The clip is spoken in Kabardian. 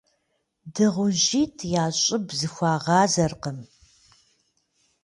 Дыгъужьитӏ я щӏыб зэхуагъазэркъым.